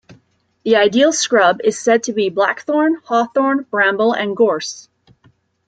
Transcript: The ideal scrub is said to be blackthorn, hawthorn, bramble and gorse.